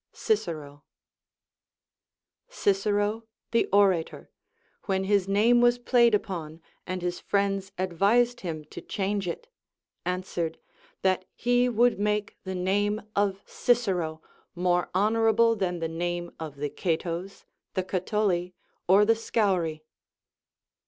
Cicero. Cicero the orator, Avhen his name was played upon and his friends advised him to change it, answered, that he would make the name of Cicero more honorable than the name of the Catos, the Catuli, or the Scauri.